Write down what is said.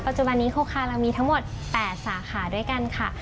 จุบันนี้โคคาเรามีทั้งหมด๘สาขาด้วยกันค่ะ